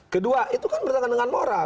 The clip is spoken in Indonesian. kedua itu kan bertentangan dengan moral